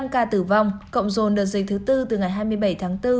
bốn mươi năm ca tử vong cộng dồn đợt dịch thứ tư từ ngày hai mươi bảy tháng bốn